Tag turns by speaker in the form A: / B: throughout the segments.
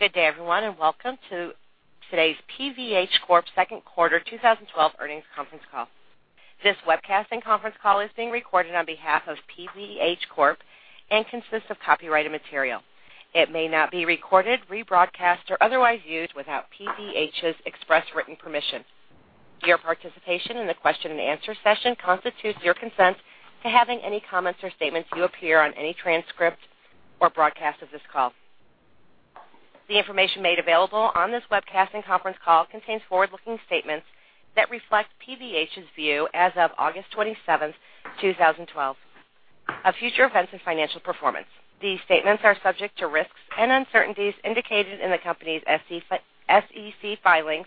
A: Good day, everyone, and welcome to today's PVH Corp Second Quarter 2012 Earnings Conference Call. This webcast and conference call is being recorded on behalf of PVH Corp and consists of copyrighted material. It may not be recorded, rebroadcast, or otherwise used without PVH's express written permission. Your participation in the question and answer session constitutes your consent to having any comments or statements you appear on any transcript or broadcast of this call. The information made available on this webcast and conference call contains forward-looking statements that reflect PVH's view as of August 27th, 2012, of future events and financial performance. These statements are subject to risks and uncertainties indicated in the company's SEC filings,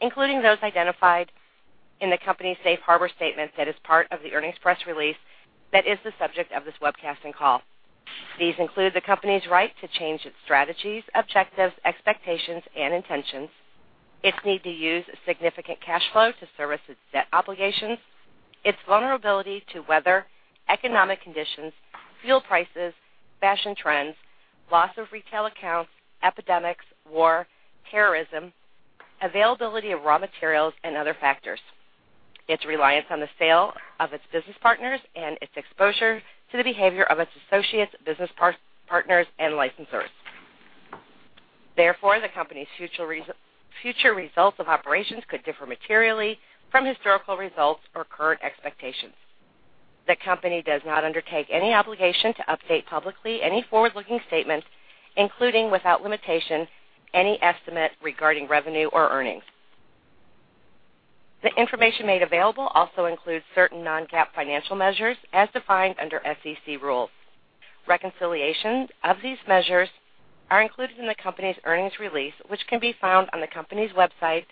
A: including those identified in the company's safe harbor statement that is part of the earnings press release, that is the subject of this webcast and call. These include the company's right to change its strategies, objectives, expectations, and intentions. Its need to use significant cash flow to service its debt obligations. Its vulnerability to weather, economic conditions, fuel prices, fashion trends, loss of retail accounts, epidemics, war, terrorism, availability of raw materials, and other factors. Its reliance on the sale of its business partners and its exposure to the behavior of its associates, business partners, and licensors. Therefore, the company's future results of operations could differ materially from historical results or current expectations. The company does not undertake any obligation to update publicly any forward-looking statements, including, without limitation, any estimate regarding revenue or earnings. The information made available also includes certain non-GAAP financial measures as defined under SEC rules. Reconciliations of these measures are included in the company's earnings release, which can be found on the company's website,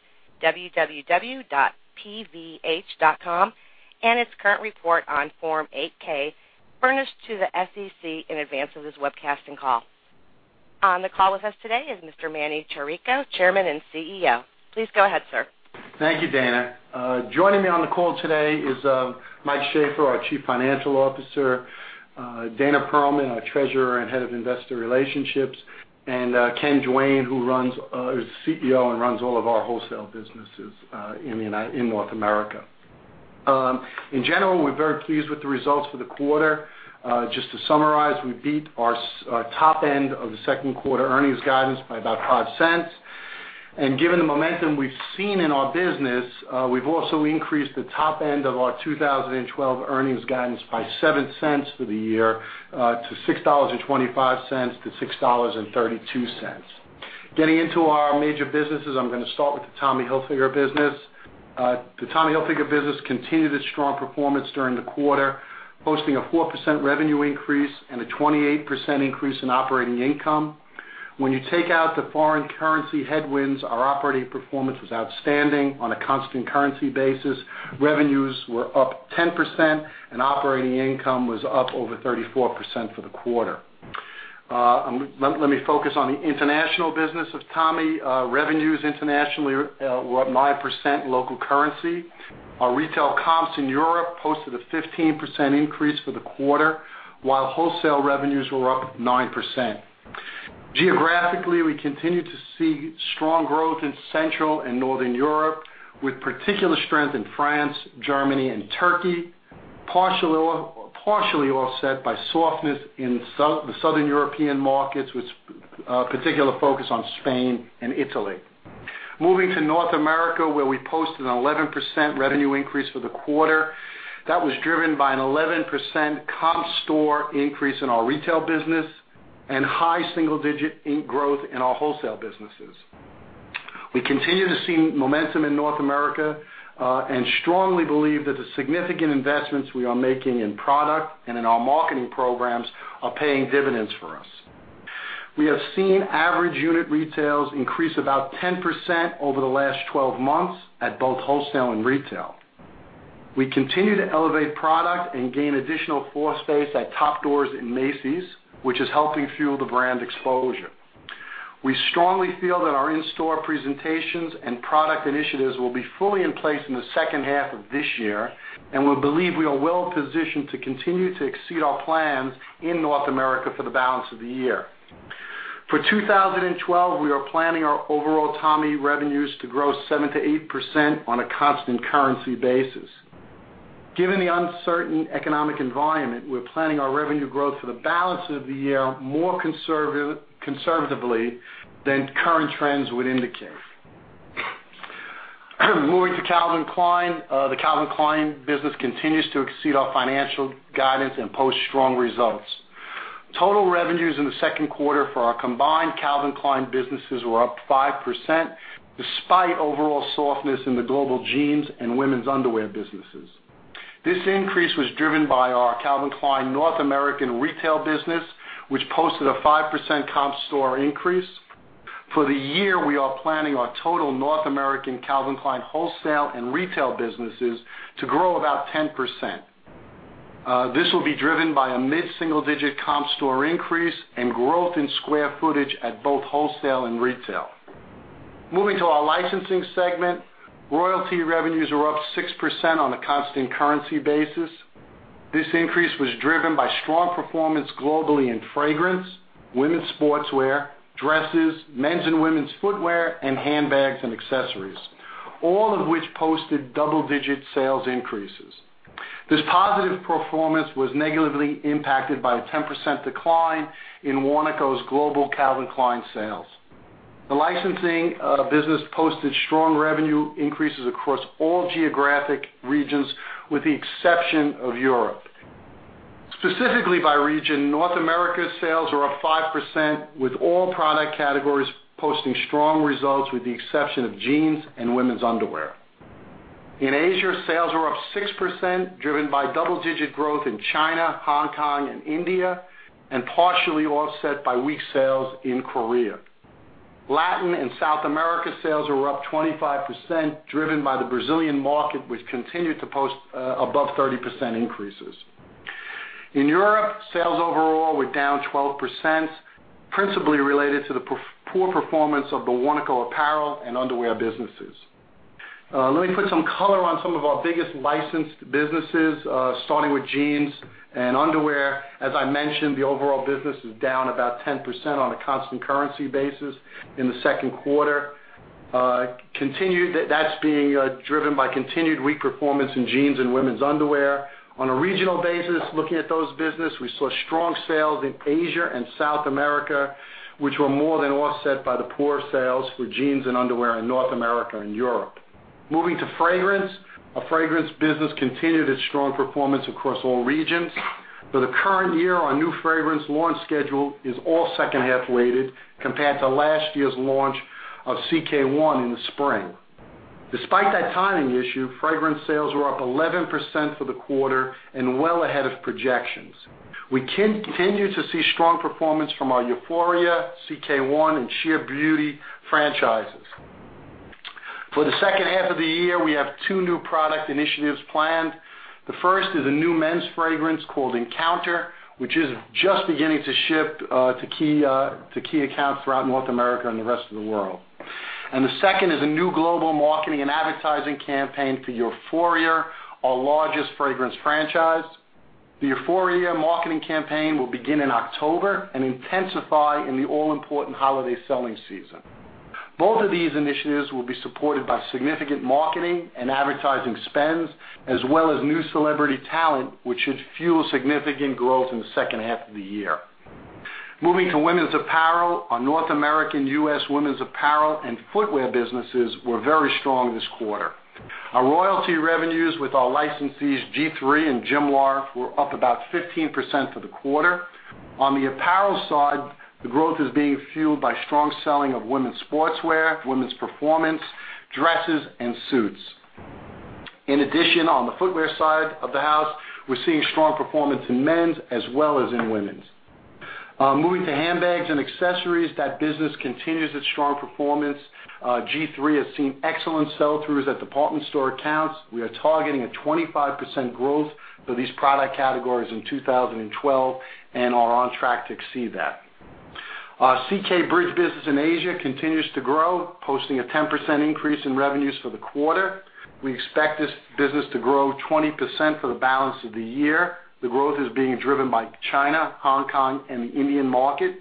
A: www.pvh.com, and its current report on Form 8-K, furnished to the SEC in advance of this webcast and call. On the call with us today is Mr. Emanuel Chirico, Chairman and CEO. Please go ahead, sir.
B: Thank you, Dana. Joining me on the call today is Mike Shaffer, our Chief Financial Officer, Dana Perlman, our Treasurer and Head of Investor Relationships, and Ken Duane, who's the CEO and runs all of our wholesale businesses in North America. In general, we're very pleased with the results for the quarter. Just to summarize, we beat our top end of the second quarter earnings guidance by about $0.05. Given the momentum we've seen in our business, we've also increased the top end of our 2012 earnings guidance by $0.07 for the year, to $6.25 to $6.32. Getting into our major businesses, I'm going to start with the Tommy Hilfiger business. The Tommy Hilfiger business continued its strong performance during the quarter, posting a 4% revenue increase and a 28% increase in operating income. When you take out the foreign currency headwinds, our operating performance was outstanding on a constant currency basis. Revenues were up 10% and operating income was up over 34% for the quarter. Let me focus on the international business of Tommy. Revenues internationally were up 9% local currency. Our retail comps in Europe posted a 15% increase for the quarter, while wholesale revenues were up 9%. Geographically, we continue to see strong growth in Central and Northern Europe, with particular strength in France, Germany, and Turkey, partially offset by softness in the Southern European markets, with particular focus on Spain and Italy. Moving to North America, where we posted an 11% revenue increase for the quarter. That was driven by an 11% comp store increase in our retail business and high single-digit like growth in our wholesale businesses. We continue to see momentum in North America. Strongly believe that the significant investments we are making in product and in our marketing programs are paying dividends for us. We have seen Average Unit Retail increase about 10% over the last 12 months at both wholesale and retail. We continue to elevate product and gain additional floor space at top doors in Macy's, which is helping fuel the brand exposure. We strongly feel that our in-store presentations and product initiatives will be fully in place in the second half of this year. We believe we are well positioned to continue to exceed our plans in North America for the balance of the year. For 2012, we are planning our overall Tommy revenues to grow 7%-8% on a constant currency basis. Given the uncertain economic environment, we're planning our revenue growth for the balance of the year more conservatively than current trends would indicate. Moving to Calvin Klein. The Calvin Klein business continues to exceed our financial guidance and post strong results. Total revenues in the second quarter for our combined Calvin Klein businesses were up 5%, despite overall softness in the global jeans and women's underwear businesses. This increase was driven by our Calvin Klein North American retail business, which posted a 5% comp store increase. For the year, we are planning our total North American Calvin Klein wholesale and retail businesses to grow about 10%. This will be driven by a mid-single-digit comp store increase and growth in square footage at both wholesale and retail. Moving to our licensing segment. Royalty revenues were up 6% on a constant currency basis. This increase was driven by strong performance globally in fragrance, women's sportswear, dresses, men's and women's footwear, and handbags and accessories, all of which posted double-digit sales increases. This positive performance was negatively impacted by a 10% decline in Warnaco's global Calvin Klein sales. The licensing business posted strong revenue increases across all geographic regions, with the exception of Europe. Specifically by region, North America sales are up 5%, with all product categories posting strong results, with the exception of jeans and women's underwear. In Asia, sales are up 6%, driven by double-digit growth in China, Hong Kong, and India, and partially offset by weak sales in Korea. Latin and South America sales were up 25%, driven by the Brazilian market, which continued to post above 30% increases. In Europe, sales overall were down 12%, principally related to the poor performance of the Warnaco apparel and underwear businesses. Let me put some color on some of our biggest licensed businesses, starting with jeans and underwear. As I mentioned, the overall business is down about 10% on a constant currency basis in the second quarter. That's being driven by continued weak performance in jeans and women's underwear. On a regional basis, looking at those business, we saw strong sales in Asia and South America, which were more than offset by the poor sales for jeans and underwear in North America and Europe. Moving to fragrance. Our fragrance business continued its strong performance across all regions. For the current year, our new fragrance launch schedule is all second-half weighted, compared to last year's launch of CK One in the spring. Despite that timing issue, fragrance sales were up 11% for the quarter and well ahead of projections. We continue to see strong performance from our Euphoria, CK One, and Sheer Beauty franchises. For the second half of the year, we have two new product initiatives planned. The first is a new men's fragrance called Encounter, which is just beginning to ship to key accounts throughout North America and the rest of the world. The second is a new global marketing and advertising campaign for Euphoria, our largest fragrance franchise. The Euphoria marketing campaign will begin in October and intensify in the all-important holiday selling season. Both of these initiatives will be supported by significant marketing and advertising spends, as well as new celebrity talent, which should fuel significant growth in the second half of the year. Moving to women's apparel. Our North American U.S. women's apparel and footwear businesses were very strong this quarter. Our royalty revenues with our licensees G-III and Jimlar were up about 15% for the quarter. On the apparel side, the growth is being fueled by strong selling of women's sportswear, women's performance, dresses, and suits. In addition, on the footwear side of the house, we're seeing strong performance in men's as well as in women's. Moving to handbags and accessories. That business continues its strong performance. G-III has seen excellent sell-throughs at department store accounts. We are targeting a 25% growth for these product categories in 2012 and are on track to exceed that. Our CK Bridge business in Asia continues to grow, posting a 10% increase in revenues for the quarter. We expect this business to grow 20% for the balance of the year. The growth is being driven by China, Hong Kong, and the Indian market,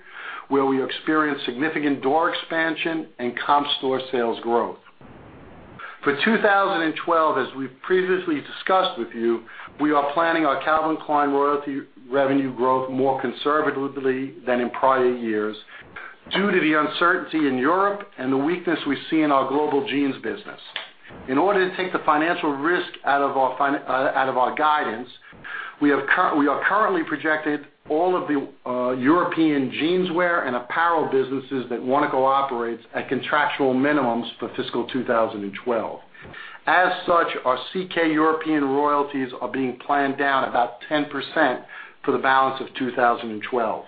B: where we experience significant door expansion and comp store sales growth. For 2012, as we've previously discussed with you, we are planning our Calvin Klein royalty revenue growth more conservatively than in prior years due to the uncertainty in Europe and the weakness we see in our global jeans business. In order to take the financial risk out of our guidance, we have currently projected all of the European jeanswear and apparel businesses that Warnaco operates at contractual minimums for fiscal 2012. As such, our CK European royalties are being planned down about 10% for the balance of 2012.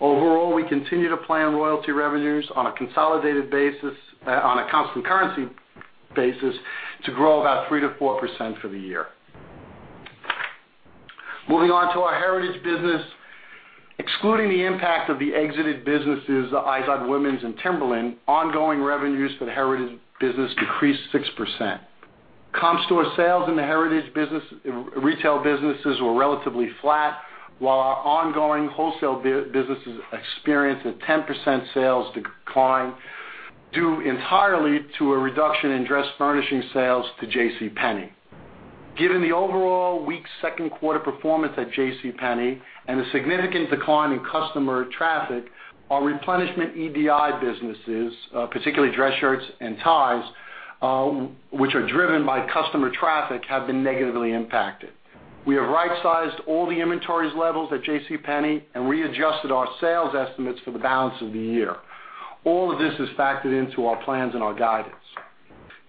B: Overall, we continue to plan royalty revenues on a constant currency basis to grow about 3%-4% for the year. Moving on to our Heritage business. Excluding the impact of the exited businesses, Izod Women's and Timberland, ongoing revenues for the Heritage business decreased 6%. Comp store sales in the Heritage retail businesses were relatively flat, while our ongoing wholesale businesses experienced a 10% sales decline, due entirely to a reduction in dress furnishing sales to JCPenney. Given the overall weak second quarter performance at JCPenney and the significant decline in customer traffic, our replenishment EDI businesses, particularly dress shirts and ties, which are driven by customer traffic, have been negatively impacted. We have right-sized all the inventories levels at JCPenney and readjusted our sales estimates for the balance of the year. All of this is factored into our plans and our guidance.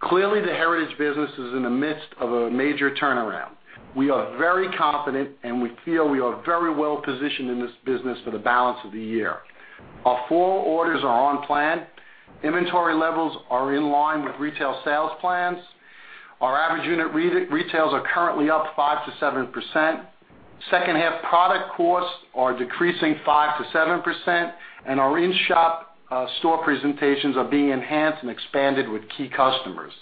B: Clearly, the Heritage business is in the midst of a major turnaround. We are very confident, and we feel we are very well-positioned in this business for the balance of the year. Our fall orders are on plan. Inventory levels are in line with retail sales plans. Our Average Unit Retails are currently up 5%-7%. Second half product costs are decreasing 5%-7%, and our in-shop store presentations are being enhanced and expanded with key customers.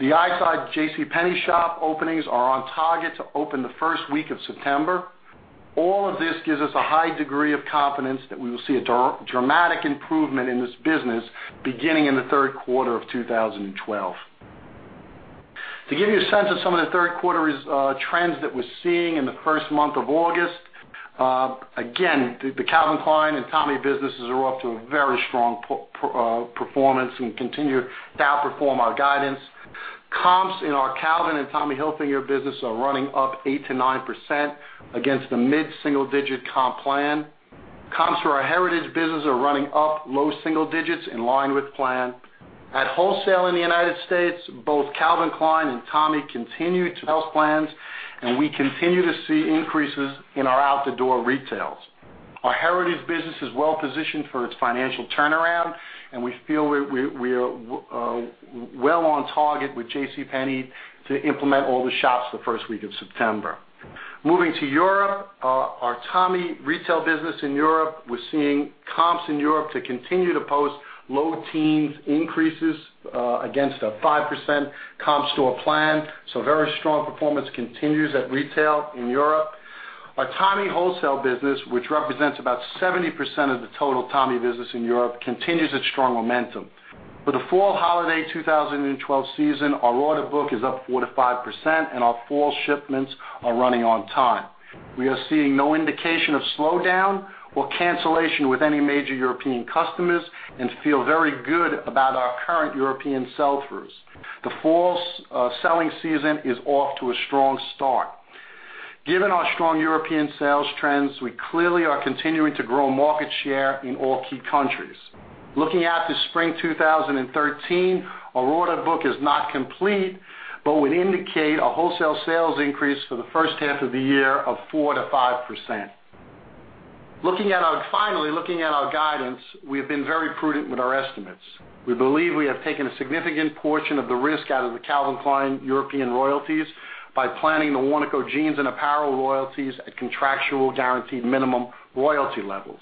B: The Izod JCPenney shop openings are on target to open the first week of September. All of this gives us a high degree of confidence that we will see a dramatic improvement in this business beginning in the third quarter of 2012. To give you a sense of some of the third quarter trends that we're seeing in the first month of August. The Calvin Klein and Tommy businesses are off to a very strong performance and continue to outperform our guidance. Comps in our Calvin and Tommy Hilfiger business are running up 8%-9% against a mid-single-digit comp plan. Comps for our Heritage business are running up low single digits in line with plan. At wholesale in the U.S., both Calvin Klein and Tommy continue to hit plans, and we continue to see increases in our out-the-door retails. Our Heritage business is well-positioned for its financial turnaround, and we feel we are well on target with JCPenney to implement all the shops the first week of September. Moving to Europe, our Tommy retail business in Europe, we're seeing comps in Europe to continue to post low teens increases against a 5% comp store plan. Very strong performance continues at retail in Europe. Our Tommy wholesale business, which represents about 70% of the total Tommy business in Europe, continues its strong momentum. For the fall holiday 2012 season, our order book is up 4%-5%, and our fall shipments are running on time. We are seeing no indication of slowdown or cancellation with any major European customers and feel very good about our current European sell-throughs. The fall selling season is off to a strong start. Given our strong European sales trends, we clearly are continuing to grow market share in all key countries. Looking out to spring 2013, our order book is not complete, but would indicate a wholesale sales increase for the first half of the year of 4%-5%. Looking at our guidance, we have been very prudent with our estimates. We believe we have taken a significant portion of the risk out of the Calvin Klein European royalties by planning the Warnaco jeans and apparel royalties at contractual guaranteed minimum royalty levels.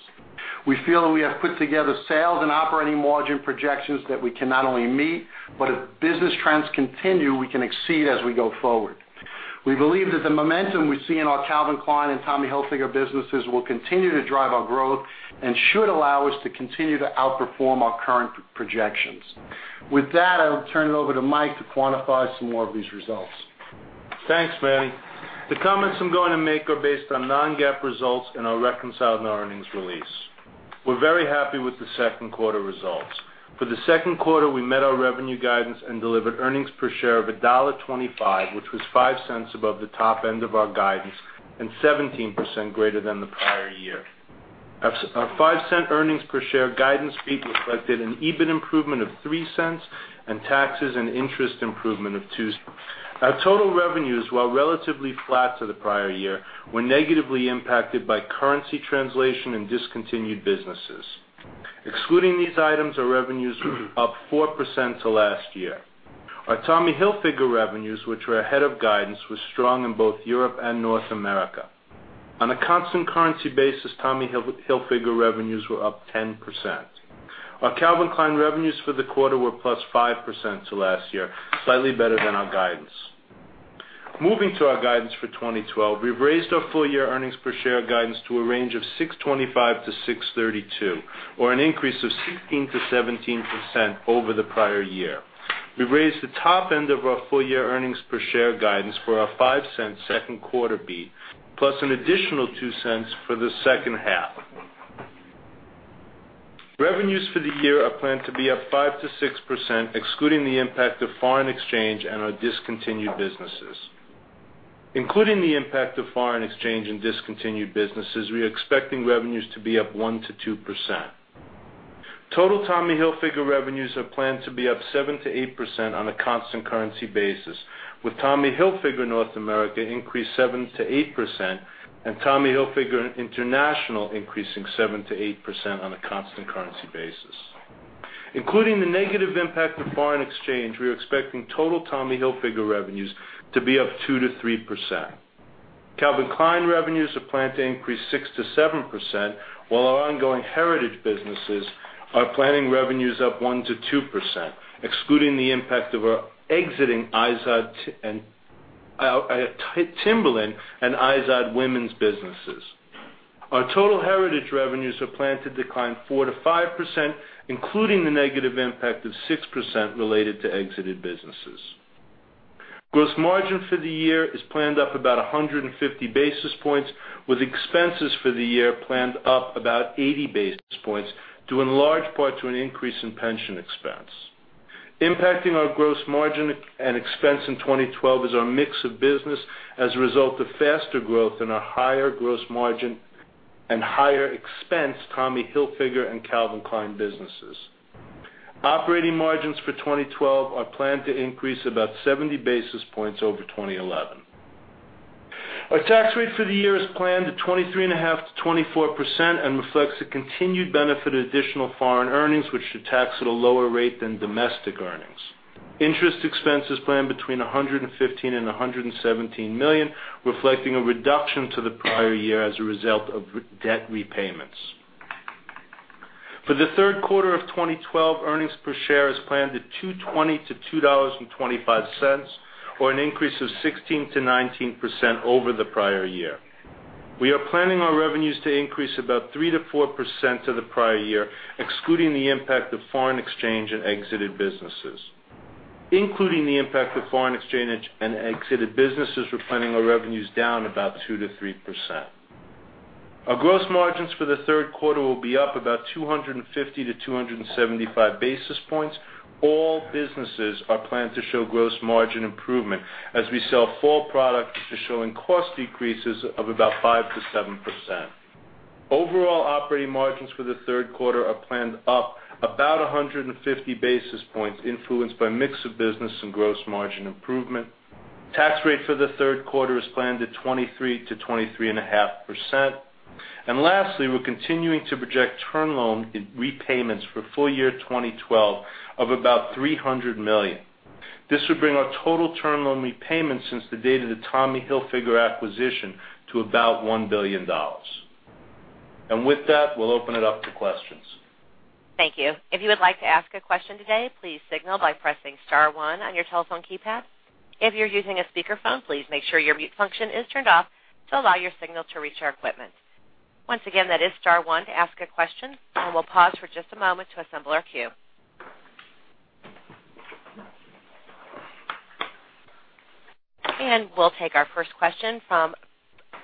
B: We feel that we have put together sales and operating margin projections that we can not only meet, but if business trends continue, we can exceed as we go forward. We believe that the momentum we see in our Calvin Klein and Tommy Hilfiger businesses will continue to drive our growth and should allow us to continue to outperform our current projections. With that, I will turn it over to Mike to quantify some more of these results.
C: Thanks, Manny. The comments I'm going to make are based on non-GAAP results and are reconciled in our earnings release. We're very happy with the second quarter results. For the second quarter, we met our revenue guidance and delivered earnings per share of $1.25, which was $0.05 above the top end of our guidance and 17% greater than the prior year. Our $0.05 earnings per share guidance fee reflected an EBIT improvement of $0.03 and taxes and interest improvement of $0.02. Our total revenues, while relatively flat to the prior year, were negatively impacted by currency translation and discontinued businesses. Excluding these items, our revenues were up 4% to last year. Our Tommy Hilfiger revenues, which were ahead of guidance, were strong in both Europe and North America. On a constant currency basis, Tommy Hilfiger revenues were up 10%. Our Calvin Klein revenues for the quarter were +5% to last year, slightly better than our guidance. Moving to our guidance for 2012, we've raised our full-year earnings per share guidance to a range of $6.25-$6.32, or an increase of 16%-17% over the prior year. We've raised the top end of our full-year earnings per share guidance for our $0.05 second quarter beat, plus an additional $0.02 for the second half. Revenues for the year are planned to be up 5%-6%, excluding the impact of foreign exchange and our discontinued businesses. Including the impact of foreign exchange and discontinued businesses, we are expecting revenues to be up 1%-2%. Total Tommy Hilfiger revenues are planned to be up 7%-8% on a constant currency basis, with Tommy Hilfiger North America increased 7%-8% and Tommy Hilfiger International increasing 7%-8% on a constant currency basis. Including the negative impact of foreign exchange, we are expecting total Tommy Hilfiger revenues to be up 2%-3%. Calvin Klein revenues are planned to increase 6%-7%, while our ongoing Heritage businesses are planning revenues up 1%-2%, excluding the impact of our exiting Timberland and Izod women's businesses. Our total Heritage revenues are planned to decline 4%-5%, including the negative impact of 6% related to exited businesses. Gross margin for the year is planned up about 150 basis points, with expenses for the year planned up about 80 basis points, due in large part to an increase in pension expense. Impacting our gross margin and expense in 2012 is our mix of business as a result of faster growth in our higher gross margin and higher expense Tommy Hilfiger and Calvin Klein businesses. Operating margins for 2012 are planned to increase about 70 basis points over 2011. Our tax rate for the year is planned at 23.5%-24% and reflects the continued benefit of additional foreign earnings, which should tax at a lower rate than domestic earnings. Interest expense is planned between $115 million and $117 million, reflecting a reduction to the prior year as a result of debt repayments. For the third quarter of 2012, earnings per share is planned at $2.20-$2.25, or an increase of 16%-19% over the prior year. We are planning our revenues to increase about 3%-4% to the prior year, excluding the impact of foreign exchange and exited businesses. Including the impact of foreign exchange and exited businesses, we're planning our revenues down about 2%-3%. Our gross margins for the third quarter will be up about 250-275 basis points. All businesses are planned to show gross margin improvement as we sell fall product, which is showing cost decreases of about 5%-7%. Overall operating margins for the third quarter are planned up about 150 basis points influenced by mix of business and gross margin improvement. Tax rate for the third quarter is planned at 23%-23.5%. Lastly, we're continuing to project term loan repayments for full year 2012 of about $300 million. This would bring our total term loan repayments since the date of the Tommy Hilfiger acquisition to about $1 billion. With that, we'll open it up to questions.
A: Thank you. If you would like to ask a question today, please signal by pressing *1 on your telephone keypad. If you're using a speakerphone, please make sure your mute function is turned off to allow your signal to reach our equipment. Once again, that is *1 to ask a question, and we'll pause for just a moment to assemble our queue. We'll take our first question from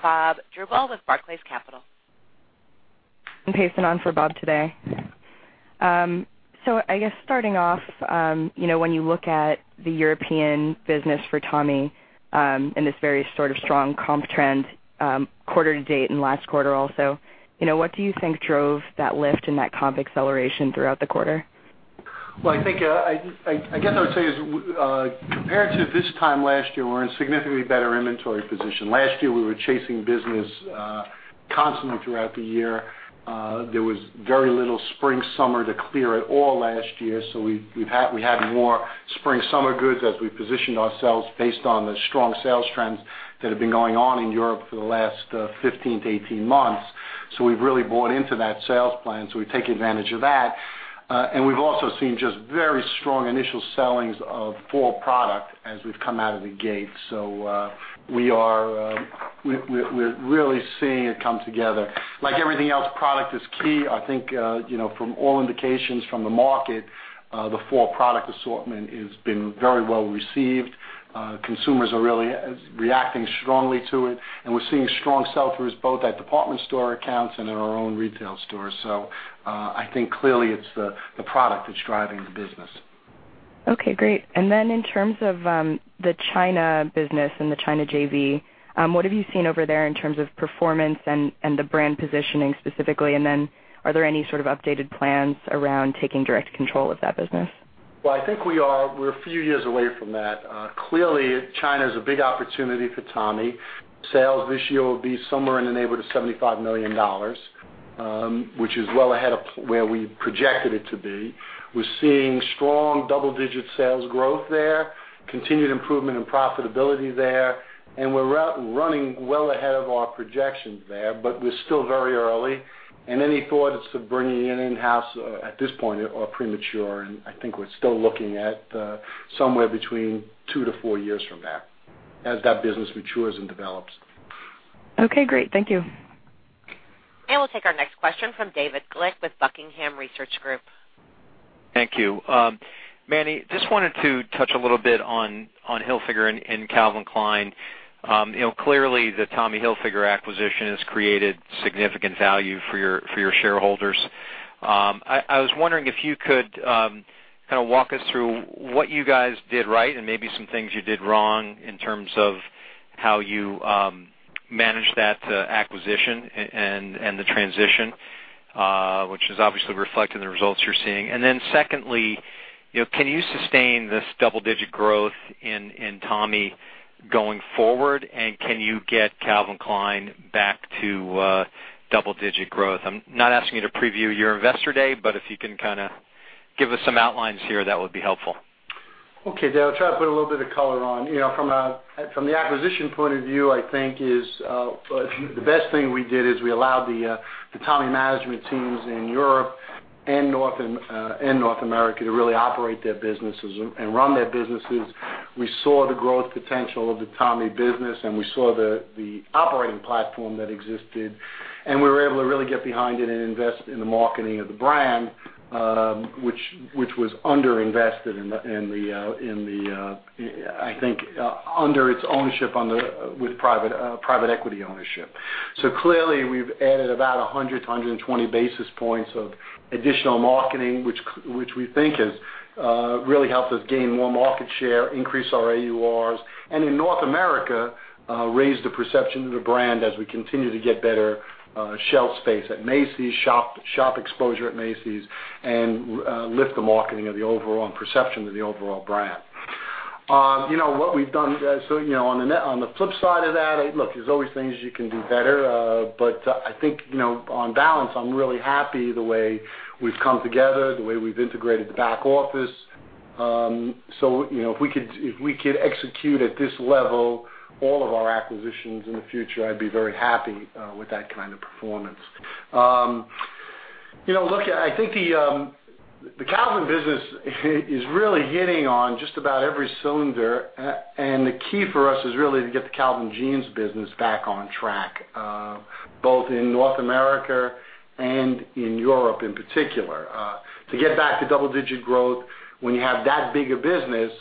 A: Bob Drbul with Barclays Capital.
D: I'm pacing on for Bob today. I guess starting off, when you look at the European business for Tommy, in this very sort of strong comp trend, quarter to date and last quarter also, what do you think drove that lift in that comp acceleration throughout the quarter?
C: Well, I guess I would say is, compared to this time last year, we're in a significantly better inventory position. Last year, we were chasing business constantly throughout the year. There was very little spring/summer to clear at all last year, so we had more spring/summer goods as we positioned ourselves based on the strong sales trends that have been going on in Europe for the last 15-18 months. We've really bought into that sales plan. We've taken advantage of that. We've also seen just very strong initial sellings of fall product as we've come out of the gate. We're really seeing it come together. Like everything else, product is key. I think from all indications from the market, the fall product assortment has been very well received. Consumers are really reacting strongly to it. We're seeing strong sell-throughs both at department store accounts and in our own retail stores. I think clearly it's the product that's driving the business.
D: Okay, great. In terms of the China business and the China JV, what have you seen over there in terms of performance and the brand positioning specifically? Are there any sort of updated plans around taking direct control of that business?
C: Well, I think we're a few years away from that. Clearly, China's a big opportunity for Tommy. Sales this year will be somewhere in the neighborhood of $75 million, which is well ahead of where we projected it to be. We're seeing strong double-digit sales growth there, continued improvement in profitability there, we're running well ahead of our projections there, but we're still very early, any thoughts of bringing it in-house at this point are premature, and I think we're still looking at somewhere between 2-4 years from now, as that business matures and develops.
D: Okay, great. Thank you.
A: We'll take our next question from David Glick with Buckingham Research Group.
E: Thank you. Manny, just wanted to touch a little bit on Hilfiger and Calvin Klein. Clearly the Tommy Hilfiger acquisition has created significant value for your shareholders. I was wondering if you could kind of walk us through what you guys did right and maybe some things you did wrong in terms of how you managed that acquisition and the transition, which is obviously reflected in the results you're seeing. Secondly, can you sustain this double-digit growth in Tommy going forward, and can you get Calvin Klein back to double-digit growth? I'm not asking you to preview your investor day, but if you can kind of give us some outlines here, that would be helpful.
C: Okay, Dave, I'll try to put a little bit of color on. From the acquisition point of view, I think the best thing we did is we allowed the Tommy management teams in Europe and North America to really operate their businesses and run their businesses. We saw the growth potential of the Tommy business, and we saw the operating platform that existed, and we were able to really get behind it and invest in the marketing of the brand, which was under invested, I think, under its ownership with private equity ownership. Clearly we've added about 100 to 120 basis points of additional marketing, which we think has really helped us gain more market share, increase our AURs, and in North America, raised the perception of the brand as we continue to get better shelf space at Macy's, shop exposure at Macy's, and lift the marketing of the overall perception of the overall brand. On the flip side of that, look, there's always things you can do better. I think, on balance, I'm really happy the way we've come together, the way we've integrated the back office
B: If we could execute at this level, all of our acquisitions in the future, I'd be very happy with that kind of performance. Look, I think the Calvin business is really hitting on just about every cylinder. The key for us is really to get the Calvin Jeans business back on track, both in North America and in Europe, in particular. To get back to double-digit growth when you have that big a business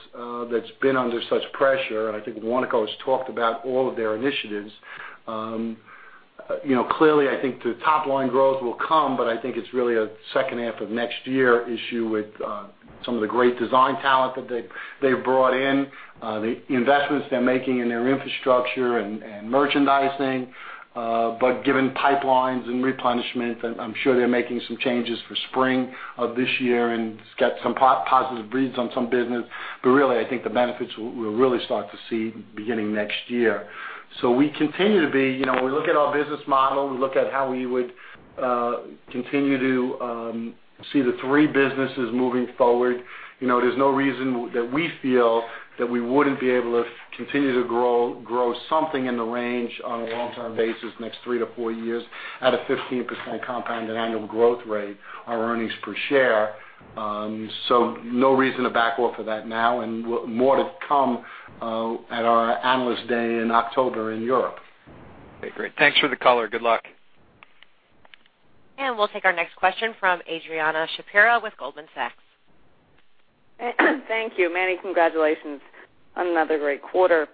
B: that's been under such pressure, I think Warnaco has talked about all of their initiatives. I think the top-line growth will come, I think it's really a second half of next year issue with some of the great design talent that they've brought in, the investments they're making in their infrastructure and merchandising. Given pipelines and replenishment, I'm sure they're making some changes for spring of this year and got some positive reads on some business. Really, I think the benefits we'll really start to see beginning next year. We look at our business model, we look at how we would continue to see the three businesses moving forward. There's no reason that we feel that we wouldn't be able to continue to grow something in the range on a long-term basis next three to four years at a 15% compounded annual growth rate, our earnings per share. No reason to back off of that now and more to come at our Analyst Day in October in Europe.
E: Okay, great. Thanks for the color. Good luck.
A: We'll take our next question from Adrianne Shapira with Goldman Sachs.
F: Thank you. Manny, congratulations on another great quarter.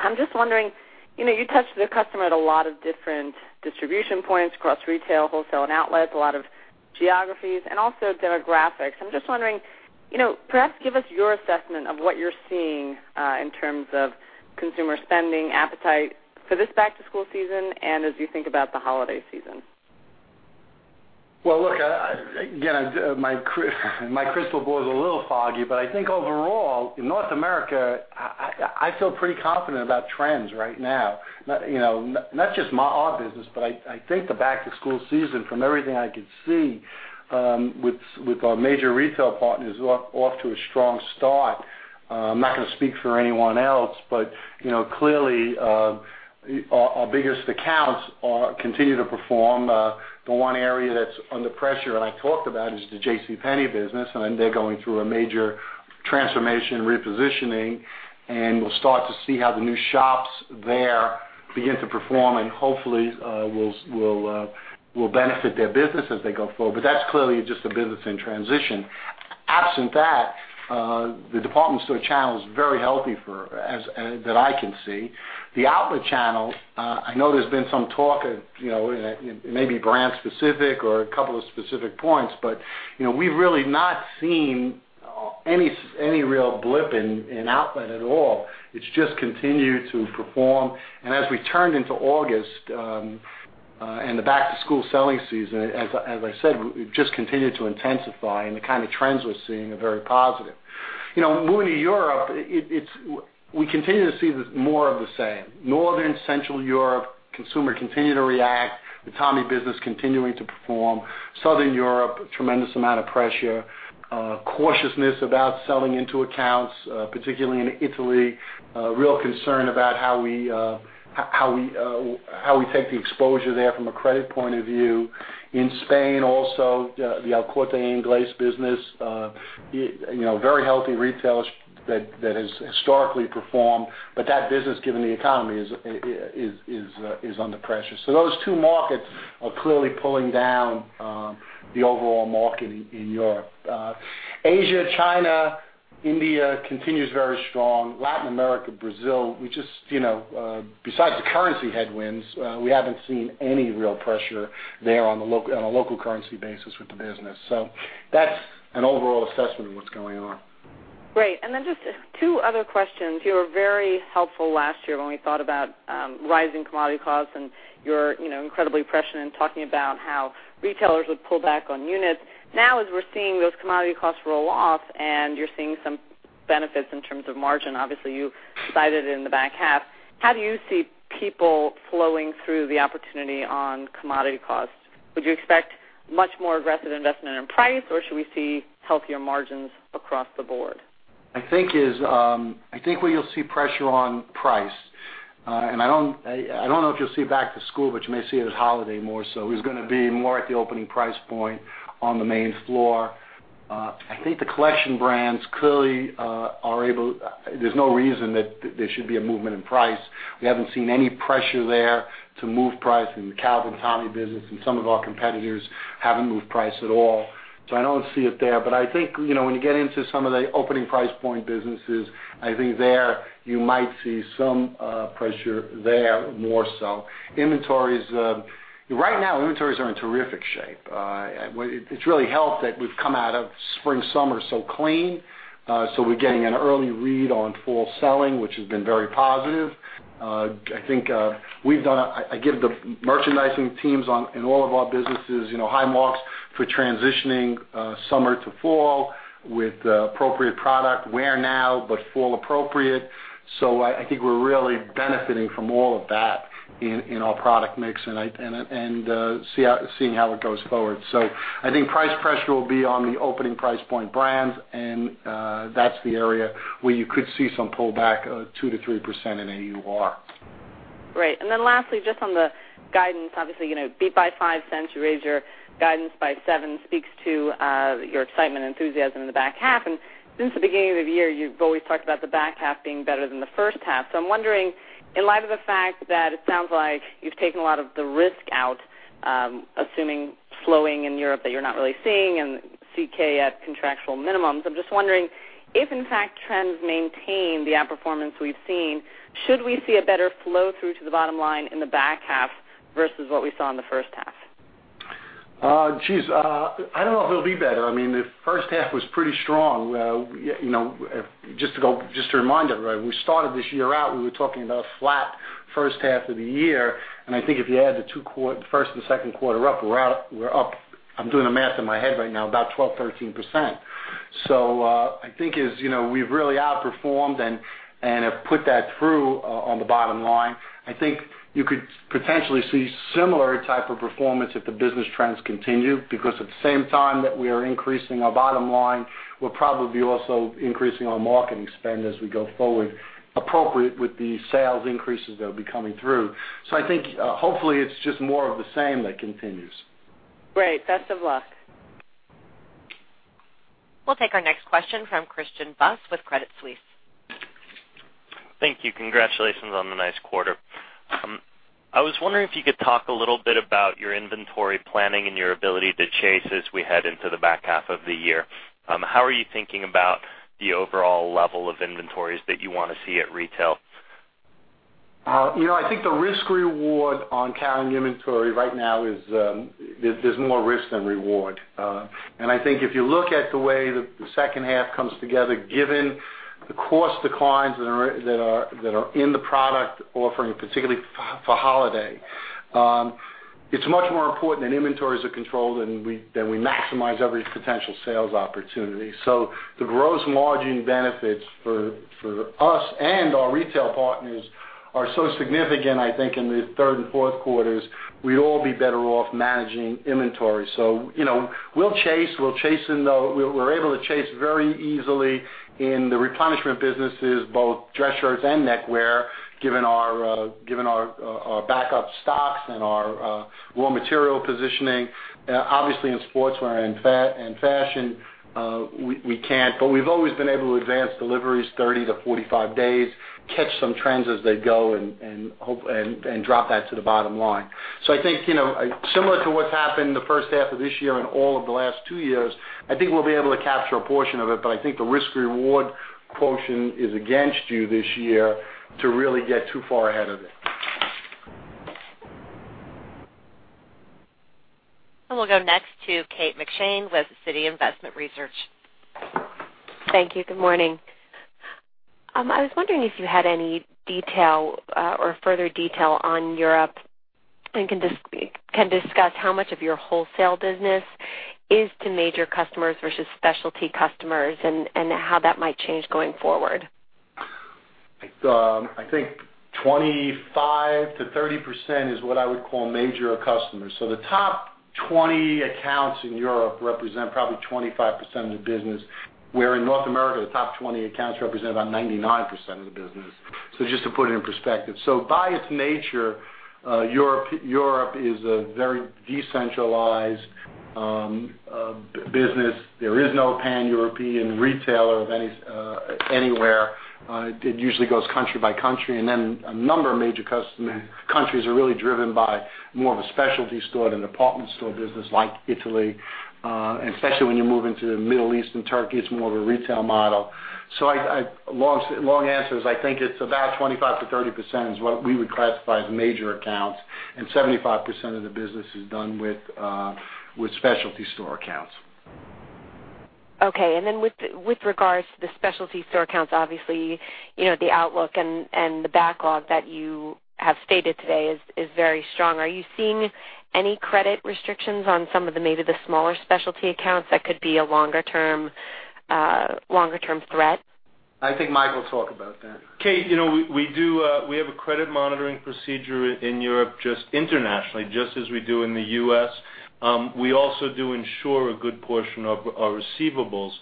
F: I'm just wondering, you touched the customer at a lot of different distribution points across retail, wholesale, and outlets, a lot of geographies and also demographics. I'm just wondering, perhaps give us your assessment of what you're seeing in terms of consumer spending appetite for this back-to-school season and as you think about the holiday season.
B: Well, look, again, my crystal ball is a little foggy, but I think overall, in North America, I feel pretty confident about trends right now. Not just our business, but I think the back-to-school season, from everything I could see, with our major retail partners, off to a strong start. I'm not gonna speak for anyone else, but clearly, our biggest accounts continue to perform. The one area that's under pressure, and I talked about, is the JCPenney business, and they're going through a major transformation and repositioning, and we'll start to see how the new shops there begin to perform and hopefully will benefit their business as they go forward. That's clearly just a business in transition. Absent that, the department store channel is very healthy that I can see. The outlet channel, I know there's been some talk, it may be brand specific or a couple of specific points, but we've really not seen any real blip in outlet at all. It's just continued to perform. As we turned into August, and the back-to-school selling season, as I said, just continued to intensify, and the kind of trends we're seeing are very positive. Moving to Europe, we continue to see more of the same. Northern, Central Europe, consumer continue to react, the Tommy business continuing to perform. Southern Europe, tremendous amount of pressure, cautiousness about selling into accounts, particularly in Italy. A real concern about how we take the exposure there from a credit point of view. In Spain also, the El Corte Inglés business. Very healthy retailers that has historically performed, but that business, given the economy, is under pressure. Those two markets are clearly pulling down the overall market in Europe. Asia, China, India continues very strong. Latin America, Brazil, besides the currency headwinds, we haven't seen any real pressure there on a local currency basis with the business. That's an overall assessment of what's going on.
F: Great. Then just two other questions. You were very helpful last year when we thought about rising commodity costs and your incredibly prescient in talking about how retailers would pull back on units. Now, as we're seeing those commodity costs roll off and you're seeing some benefits in terms of margin, obviously, you cited it in the back half, how do you see people flowing through the opportunity on commodity costs? Would you expect much more aggressive investment in price, or should we see healthier margins across the board?
B: I think where you'll see pressure on price, and I don't know if you'll see back to school, but you may see it as holiday more so, is gonna be more at the opening price point on the main floor. I think the collection brands clearly, there's no reason that there should be a movement in price. We haven't seen any pressure there to move price in the Calvin Tommy business, and some of our competitors haven't moved price at all. I don't see it there, but I think, when you get into some of the opening price point businesses, I think there, you might see some pressure there more so. Right now, inventories are in terrific shape. It's really helped that we've come out of spring/summer so clean. We're getting an early read on fall selling, which has been very positive. I give the merchandising teams in all of our businesses high marks for transitioning summer to fall with appropriate product wear now, but fall appropriate. I think we're really benefiting from all of that in our product mix and seeing how it goes forward. I think price pressure will be on the opening price point brands, and that's the area where you could see some pullback of 2%-3% in AUR.
F: Lastly, just on the guidance, obviously, beat by $0.05, you raise your guidance by $0.07, speaks to your excitement and enthusiasm in the back half. Since the beginning of the year, you've always talked about the back half being better than the first half. I'm wondering, in light of the fact that it sounds like you've taken a lot of the risk out, assuming slowing in Europe that you're not really seeing and CK at contractual minimums, I'm just wondering if in fact trends maintain the outperformance we've seen, should we see a better flow-through to the bottom line in the back half versus what we saw in the first half?
B: Geez. I don't know if it'll be better. I mean, the first half was pretty strong. Just to remind everybody, we started this year out, we were talking about a flat first half of the year, and I think if you add the first and second quarter up, we're up, I'm doing the math in my head right now, about 12%, 13%. I think as we've really outperformed and have put that through on the bottom line. I think you could potentially see similar type of performance if the business trends continue, because at the same time that we are increasing our bottom line, we'll probably also increasing our marketing spend as we go forward, appropriate with the sales increases that'll be coming through. I think, hopefully it's just more of the same that continues.
F: Great. Best of luck.
A: We'll take our next question from Christian Buss with Credit Suisse.
G: Thank you. Congratulations on the nice quarter. I was wondering if you could talk a little bit about your inventory planning and your ability to chase as we head into the back half of the year. How are you thinking about the overall level of inventories that you want to see at retail?
B: I think the risk reward on carrying inventory right now is, there's more risk than reward. I think if you look at the way the second half comes together, given the cost declines that are in the product offering, particularly for holiday. It's much more important that inventories are controlled and that we maximize every potential sales opportunity. The gross margin benefits for us and our retail partners are so significant, I think in the third and fourth quarters, we'd all be better off managing inventory. We'll chase. We're able to chase very easily in the replenishment businesses, both dress shirts and neckwear, given our backup stocks and our raw material positioning. Obviously, in sportswear and fashion, we can't. We've always been able to advance deliveries 30 to 45 days, catch some trends as they go, and drop that to the bottom line. I think, similar to what's happened in the first half of this year and all of the last two years, I think we'll be able to capture a portion of it. I think the risk reward quotient is against you this year to really get too far ahead of it.
A: We'll go next to Kate McShane with Citi Investment Research.
H: Thank you. Good morning. I was wondering if you had any detail or further detail on Europe and can discuss how much of your wholesale business is to major customers versus specialty customers, and how that might change going forward.
B: I think 25%-30% is what I would call major customers. The top 20 accounts in Europe represent probably 25% of the business. Where in North America, the top 20 accounts represent about 99% of the business. Just to put it in perspective. By its nature, Europe is a very decentralized business. There is no pan-European retailer anywhere. It usually goes country by country. Then a number of major countries are really driven by more of a specialty store than department store business like Italy. Especially when you move into the Middle East and Turkey, it's more of a retail model. Long answer is, I think it's about 25%-30% is what we would classify as major accounts, and 75% of the business is done with specialty store accounts.
H: Okay. Then with regards to the specialty store accounts, obviously, the outlook and the backlog that you have stated today is very strong. Are you seeing any credit restrictions on some of maybe the smaller specialty accounts that could be a longer term threat?
B: I think Mike will talk about that.
C: Kate, we have a credit monitoring procedure in Europe, internationally, just as we do in the U.S. We also do insure a good portion of our receivables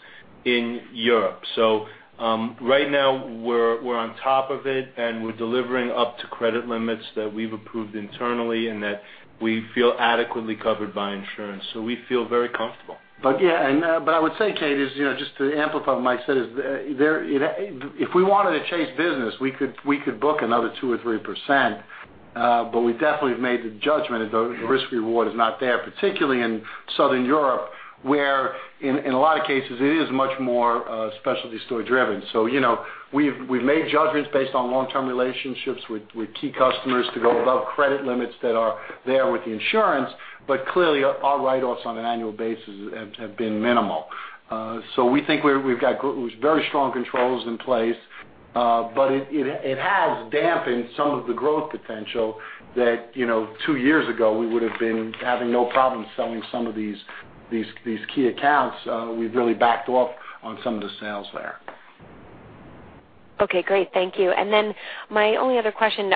C: in Europe. Right now we're on top of it, and we're delivering up to credit limits that we've approved internally and that we feel adequately covered by insurance. We feel very comfortable.
B: I would say, Kate, just to amplify what Mike said, if we wanted to chase business, we could book another 2% or 3%, but we definitely have made the judgment that the risk reward is not there, particularly in Southern Europe, where in a lot of cases it is much more specialty store driven. We've made judgments based on long-term relationships with key customers to go above credit limits that are there with the insurance. Clearly, our write-offs on an annual basis have been minimal. We think we've got very strong controls in place. It has dampened some of the growth potential that two years ago we would have been having no problem selling some of these key accounts. We've really backed off on some of the sales there.
H: Okay, great. Thank you. My only other question,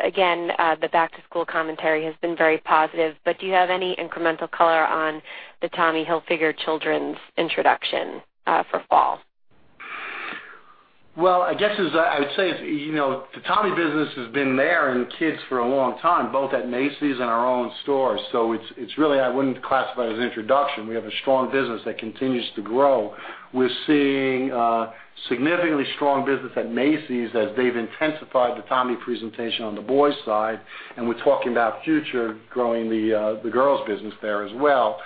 H: again, the back-to-school commentary has been very positive, but do you have any incremental color on the Tommy Hilfiger Children's introduction for fall?
B: I guess I would say, the Tommy business has been there in kids for a long time, both at Macy's and our own stores. It's really, I wouldn't classify it as an introduction. We have a strong business that continues to grow. We're seeing significantly strong business at Macy's as they've intensified the Tommy presentation on the boys side, and we're talking about future growing the girls business there as well.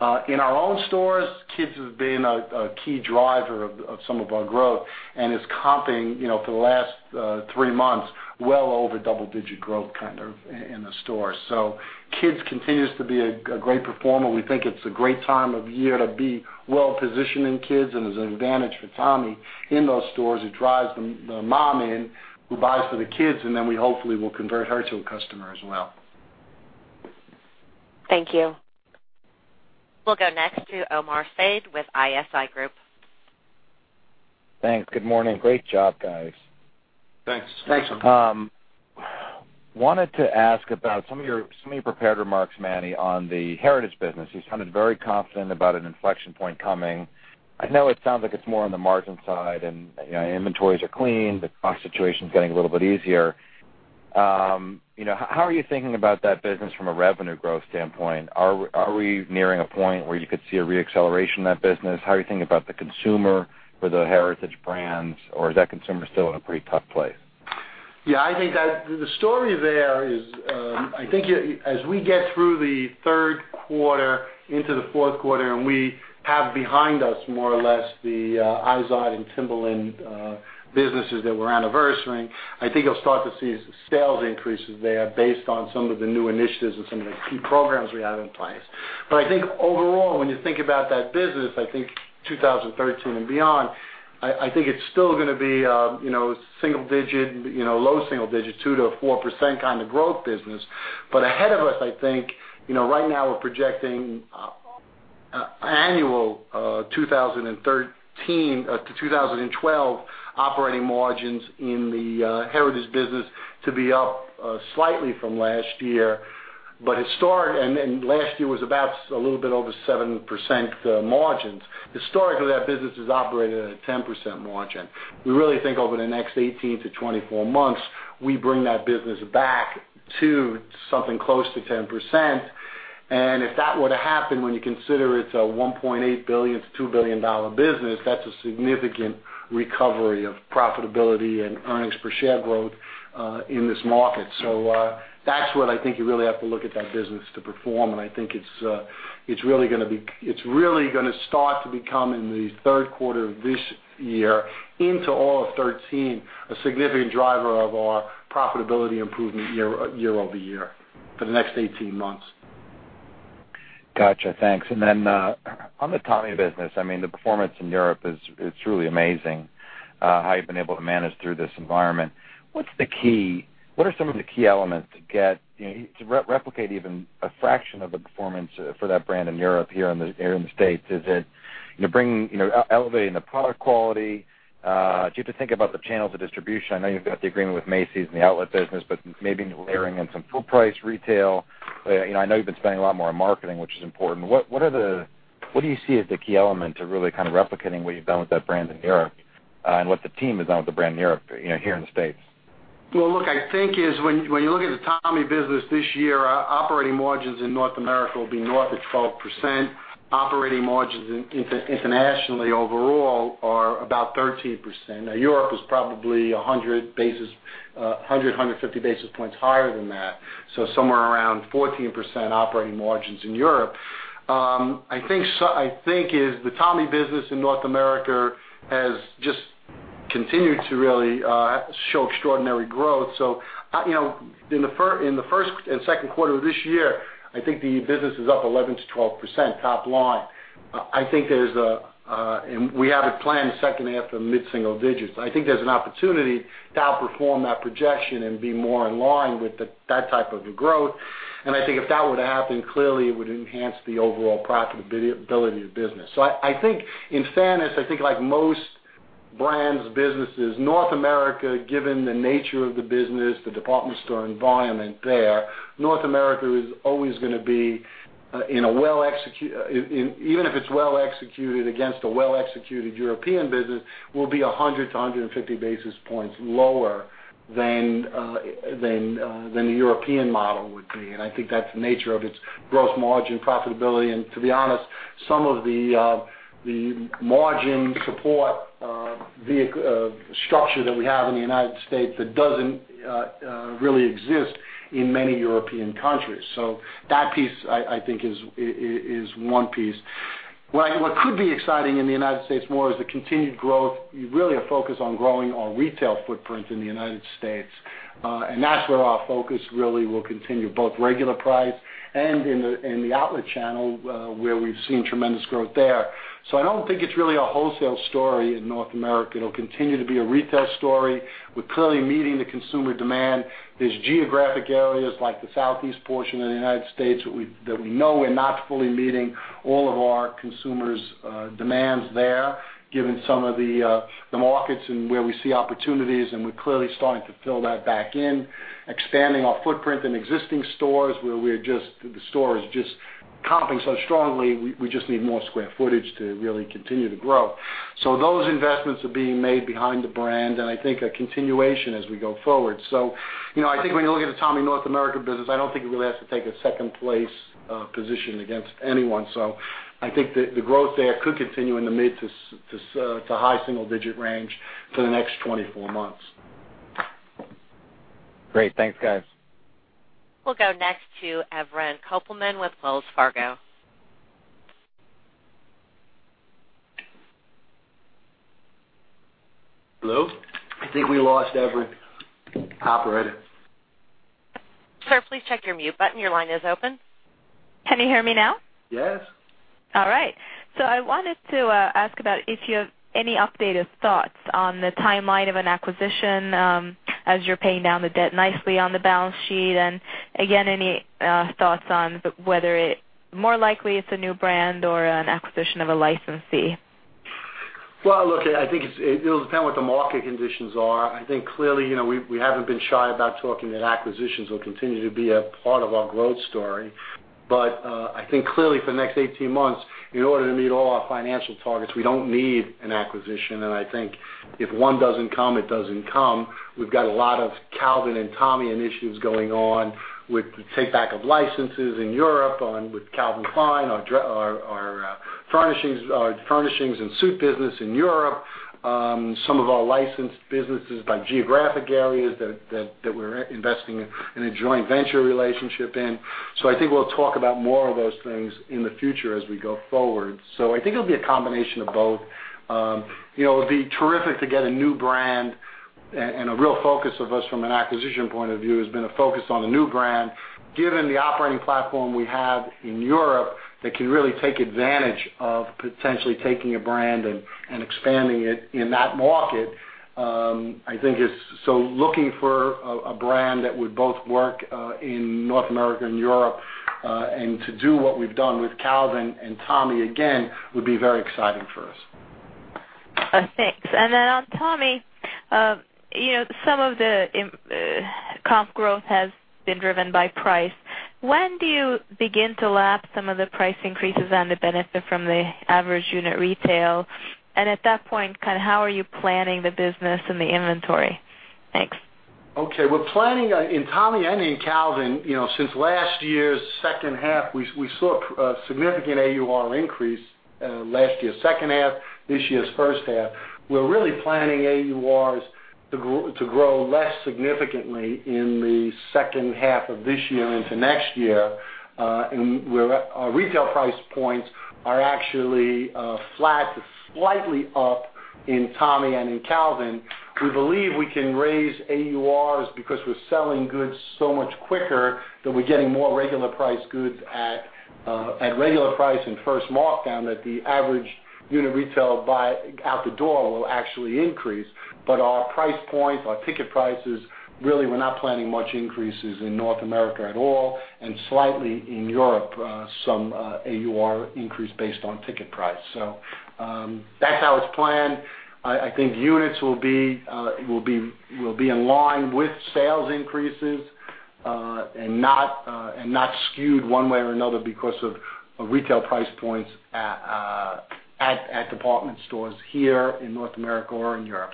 B: In our own stores, kids have been a key driver of some of our growth, and it's comping, for the last three months, well over double-digit growth kind of in the store. Kids continues to be a great performer. We think it's a great time of year to be well-positioned in kids, and there's an advantage for Tommy in those stores. It drives the mom in, who buys for the kids, and then we hopefully will convert her to a customer as well.
H: Thank you.
A: We'll go next to Omar Saad with ISI Group.
I: Thanks. Good morning. Great job, guys.
B: Thanks.
J: Thanks, Omar.
I: Wanted to ask about some of your prepared remarks, Manny, on the Heritage business. You sounded very confident about an inflection point coming. I know it sounds like it's more on the margin side, and inventories are clean. The cost situation's getting a little bit easier. How are you thinking about that business from a revenue growth standpoint? Are we nearing a point where you could see a re-acceleration in that business? How are you thinking about the consumer for the Heritage Brands, or is that consumer still in a pretty tough place?
B: Yeah, I think that the story there is, I think as we get through the third quarter into the fourth quarter, we have behind us, more or less, the IZOD and Timberland businesses that we're anniversarying. I think you'll start to see sales increases there based on some of the new initiatives and some of the key programs we have in place. I think overall, when you think about that business, I think 2013 and beyond, I think it's still going to be single digit, low single digits, 2%-4% kind of growth business. Ahead of us, I think, right now we're projecting annual 2013 to 2012 operating margins in the Heritage business to be up slightly from last year. Last year was about a little bit over 7% margins. Historically, that business has operated at a 10% margin. We really think over the next 18-24 months, we bring that business back to something close to 10%. If that were to happen, when you consider it's a $1.8 billion-$2 billion business, that's a significant recovery of profitability and earnings per share growth in this market. That's what I think you really have to look at that business to perform, and I think it's really going to start to become, in the third quarter of this year into all of 2013, a significant driver of our profitability improvement year-over-year for the next 18 months.
I: Got you. Thanks. Then on the Tommy business, the performance in Europe is truly amazing. How you've been able to manage through this environment. What are some of the key elements to get to replicate even a fraction of the performance for that brand in Europe, here in the States? Is it elevating the product quality? Do you have to think about the channels of distribution? I know you've got the agreement with Macy's and the outlet business, but maybe layering in some full price retail. I know you've been spending a lot more on marketing, which is important. What do you see as the key element to really kind of replicating what you've done with that brand in Europe and what the team has done with the brand in Europe, here in the States?
B: Well, look, I think when you look at the Tommy business this year, operating margins in North America will be north of 12%. Operating margins internationally overall are about 13%. Now, Europe is probably 100, 150 basis points higher than that. Somewhere around 14% operating margins in Europe. I think the Tommy business in North America has just continued to really show extraordinary growth. In the first and second quarter of this year, I think the business is up 11%-12% top line. We have it planned second half to mid-single digits. I think there's an opportunity to outperform that projection and be more in line with that type of growth. I think if that were to happen, clearly it would enhance the overall profitability of the business. I think in fairness, I think like most brands, businesses, North America, given the nature of the business, the department store environment there, North America is always going to be, even if it's well executed against a well-executed European business, will be 100 to 150 basis points lower than the European model would be. I think that's the nature of its gross margin profitability. To be honest, some of the margin support structure that we have in the United States that doesn't really exist in many European countries. That piece, I think, is one piece. What could be exciting in the United States more is the continued growth. Really a focus on growing our retail footprint in the United States. That's where our focus really will continue, both regular price and in the outlet channel, where we've seen tremendous growth there. I don't think it's really a wholesale story in North America. It'll continue to be a retail story. We're clearly meeting the consumer demand. There's geographic areas like the Southeast portion of the United States that we know we're not fully meeting all of our consumers' demands there, given some of the markets and where we see opportunities, we're clearly starting to fill that back in. Expanding our footprint in existing stores where the store is just Comping so strongly, we just need more square footage to really continue to grow. Those investments are being made behind the brand, I think a continuation as we go forward. I think when you look at the Tommy North America business, I don't think it really has to take a second place position against anyone. I think that the growth there could continue in the mid to high single-digit range for the next 24 months.
I: Great. Thanks, guys.
A: We'll go next to Evren Kopelman with Wells Fargo.
B: Hello? I think we lost Evren. Operator.
A: Sir, please check your mute button. Your line is open.
K: Can you hear me now?
B: Yes.
K: All right. I wanted to ask about if you have any updated thoughts on the timeline of an acquisition, as you're paying down the debt nicely on the balance sheet. And again, any thoughts on whether it more likely it's a new brand or an acquisition of a licensee?
B: Well, look, I think it'll depend what the market conditions are. I think clearly, we haven't been shy about talking that acquisitions will continue to be a part of our growth story. I think clearly for the next 18 months, in order to meet all our financial targets, we don't need an acquisition, and I think if one doesn't come, it doesn't come. We've got a lot of Calvin and Tommy initiatives going on with the take-back of licenses in Europe with Calvin Klein, our furnishings and suit business in Europe. Some of our licensed businesses by geographic areas that we're investing in a joint venture relationship in. I think we'll talk about more of those things in the future as we go forward. I think it'll be a combination of both. It'd be terrific to get a new brand. A real focus of us from an acquisition point of view has been a focus on a new brand, given the operating platform we have in Europe that can really take advantage of potentially taking a brand and expanding it in that market. Looking for a brand that would both work in North America and Europe, and to do what we've done with Calvin and Tommy again would be very exciting for us.
K: Thanks. On Tommy, some of the comp growth has been driven by price. When do you begin to lap some of the price increases and the benefit from the Average Unit Retail? At that point, how are you planning the business and the inventory? Thanks.
B: Okay. We're planning on, in Tommy and in Calvin, since last year's second half, we saw a significant AUR increase last year second half, this year's first half. We're really planning AURs to grow less significantly in the second half of this year into next year. Our retail price points are actually flat to slightly up in Tommy and in Calvin. We believe we can raise AURs because we're selling goods so much quicker that we're getting more regular priced goods at regular price and first markdown that the Average Unit Retail out the door will actually increase. Our price points, our ticket prices, really, we're not planning much increases in North America at all and slightly in Europe, some AUR increase based on ticket price. That's how it's planned. I think units will be in line with sales increases. Not skewed one way or another because of retail price points at department stores here in North America or in Europe.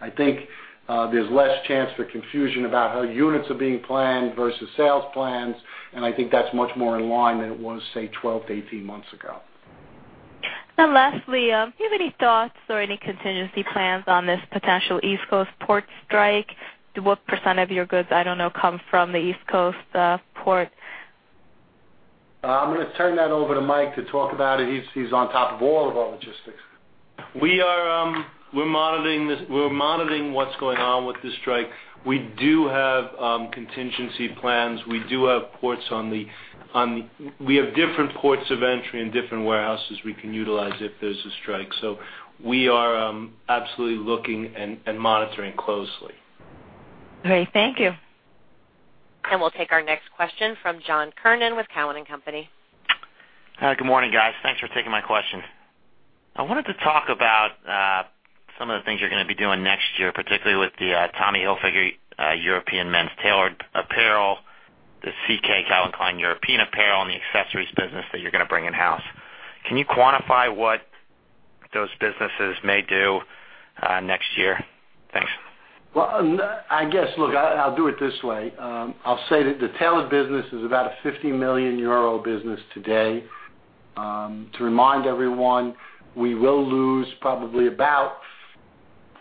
B: I think there's less chance for confusion about how units are being planned versus sales plans, I think that's much more in line than it was, say, 12-18 months ago.
K: Lastly, do you have any thoughts or any contingency plans on this potential East Coast port strike? What % of your goods, I don't know, come from the East Coast ports?
B: I'm gonna turn that over to Mike to talk about it. He's on top of all of our logistics.
C: We're monitoring what's going on with the strike. We do have contingency plans. We have different ports of entry and different warehouses we can utilize if there's a strike. We are absolutely looking and monitoring closely.
K: Great. Thank you.
A: We'll take our next question from John Kernan with Cowen and Company.
L: Good morning, guys. Thanks for taking my question. I wanted to talk about some of the things you're gonna be doing next year, particularly with the Tommy Hilfiger European men's tailored apparel, the CK Calvin Klein European apparel, and the accessories business that you're gonna bring in-house. Can you quantify what those businesses may do next year? Thanks.
B: Well, I guess, look, I'll do it this way. I'll say that the tailored business is about a 50 million euro business today. To remind everyone, we will lose probably about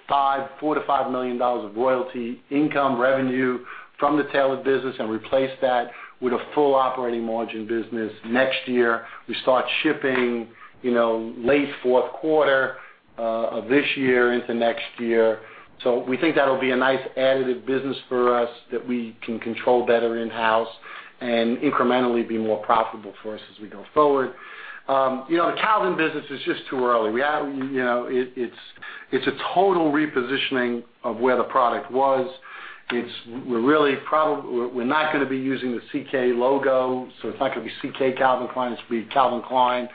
B: $4 million-$5 million of royalty income revenue from the tailored business and replace that with a full operating margin business next year. We start shipping late fourth quarter of this year into next year. We think that'll be a nice additive business for us that we can control better in-house and incrementally be more profitable for us as we go forward. The Calvin business is just too early. It's a total repositioning of where the product was. We're not gonna be using the CK logo, so it's not gonna be CK Calvin Klein. It's gonna be Calvin Klein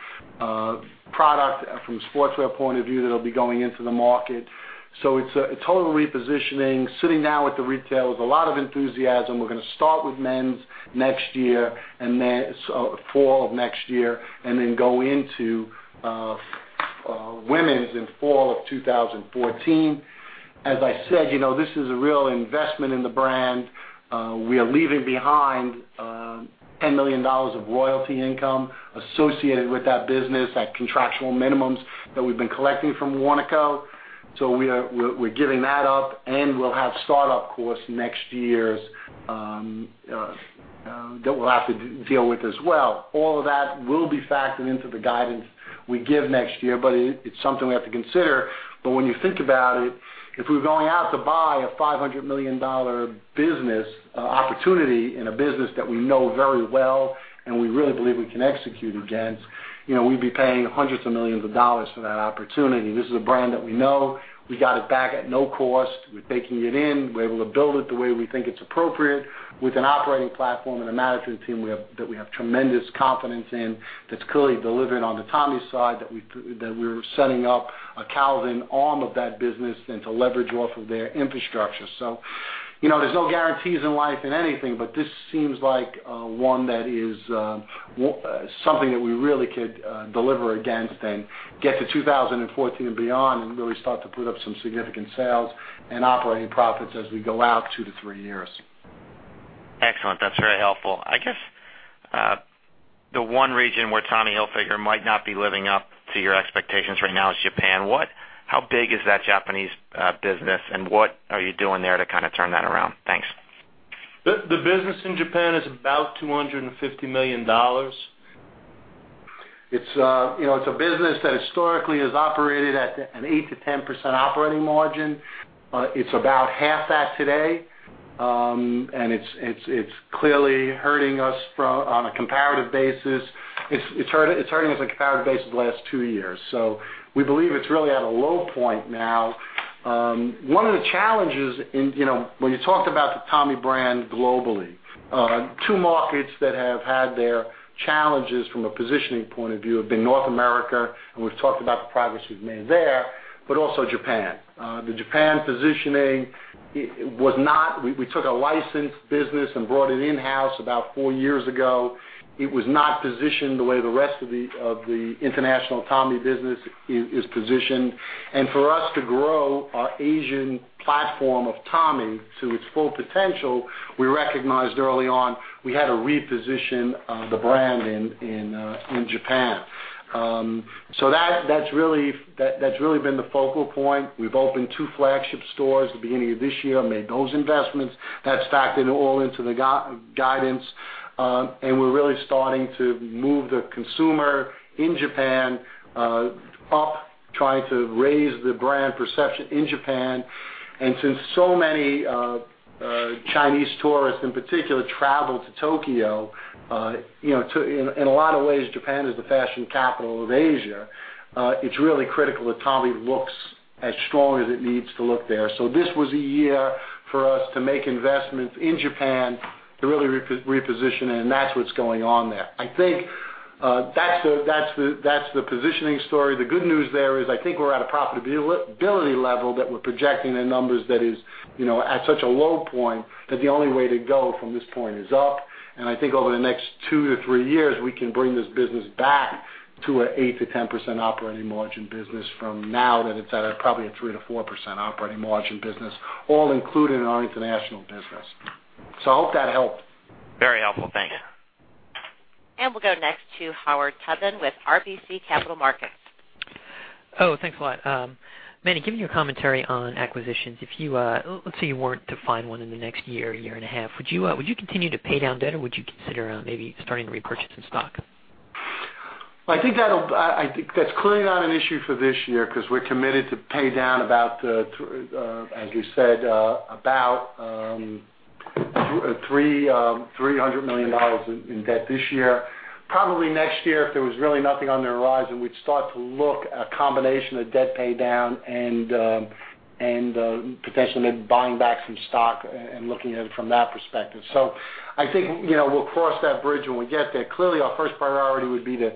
B: product from a sportswear point of view that'll be going into the market. It's a total repositioning, sitting now with the retailers. A lot of enthusiasm. We're going to start with men's fall of next year, and then go into women's in fall of 2014. As I said, this is a real investment in the brand. We are leaving behind $10 million of royalty income associated with that business, that contractual minimums that we've been collecting from Warnaco. We're giving that up, and we'll have start-up costs next year that we'll have to deal with as well. All of that will be factored into the guidance we give next year, it's something we have to consider. When you think about it, if we're going out to buy a $500 million business opportunity in a business that we know very well, and we really believe we can execute against, we'd be paying hundreds of millions of dollars for that opportunity. This is a brand that we know. We got it back at no cost. We're taking it in. We're able to build it the way we think it's appropriate with an operating platform and a management team that we have tremendous confidence in. That's clearly delivered on the Tommy side, that we're setting up a Calvin arm of that business and to leverage off of their infrastructure. There's no guarantees in life in anything, but this seems like one that is something that we really could deliver against and get to 2014 and beyond, and really start to put up some significant sales and operating profits as we go out two to three years.
L: Excellent. That's very helpful. I guess, the one region where Tommy Hilfiger might not be living up to your expectations right now is Japan. How big is that Japanese business, and what are you doing there to kind of turn that around? Thanks.
B: The business in Japan is about $250 million. It's a business that historically has operated at an 8%-10% operating margin. It's about half that today. It's clearly hurting us on a comparative basis. It's hurting us on a comparative basis the last two years. We believe it's really at a low point now. One of the challenges, when you talked about the Tommy brand globally, two markets that have had their challenges from a positioning point of view have been North America, and we've talked about the progress we've made there, but also Japan. The Japan positioning, we took a licensed business and brought it in-house about four years ago. It was not positioned the way the rest of the international Tommy business is positioned. For us to grow our Asian platform of Tommy to its full potential, we recognized early on we had to reposition the brand in Japan. That's really been the focal point. We've opened two flagship stores at the beginning of this year, made those investments. That's factored all into the guidance. We're really starting to move the consumer in Japan up, trying to raise the brand perception in Japan. Since so many Chinese tourists, in particular, travel to Tokyo, in a lot of ways, Japan is the fashion capital of Asia. It's really critical that Tommy looks as strong as it needs to look there. This was a year for us to make investments in Japan to really reposition it, and that's what's going on there. I think that's the positioning story. The good news there is, I think we're at a profitability level that we're projecting the numbers that is at such a low point, that the only way to go from this point is up. I think over the next two to three years, we can bring this business back to an 8%-10% operating margin business from now that it's at a probably 3%-4% operating margin business, all included in our international business. I hope that helped.
L: Very helpful. Thanks.
A: We'll go next to Howard Tubin with RBC Capital Markets.
M: Thanks a lot. Manny, given your commentary on acquisitions, let's say you weren't to find one in the next year and a half. Would you continue to pay down debt, or would you consider maybe starting repurchasing stock?
B: I think that's clearly not an issue for this year because we're committed to pay down about, as you said, about $300 million in debt this year. Probably next year, if there was really nothing on the horizon, we'd start to look at a combination of debt pay down and potentially maybe buying back some stock and looking at it from that perspective. I think we'll cross that bridge when we get there. Clearly, our first priority would be to